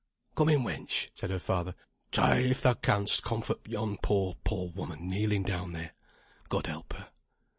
"Come in, wench!" said her father. "Try if thou canst comfort yon poor, poor woman, kneeling down there. God help her."